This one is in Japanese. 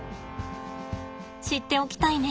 知っておきたいね。